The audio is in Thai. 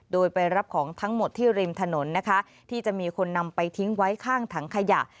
โดยไปรับของทั้งหมดที่ริมถนนนะคะที่จะมีคนนำไปทิ้งไว้ข้างถังขยะ